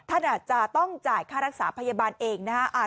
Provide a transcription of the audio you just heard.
ท่านอาจจะต้องจ่ายค่ารักษาพยาบาลเองนะฮะ